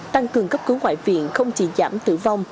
tăng cường cấp cứu ngoại viện không chỉ giảm tử vong